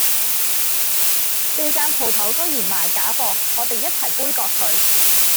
呢間舖頭居然賣假貨我哋一齊杯葛佢